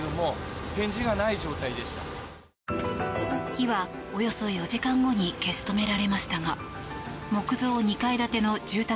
火はおよそ４時間後に消し止められましたが木造２階建ての住宅